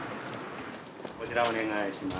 こちらお願いします。